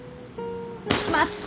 待って。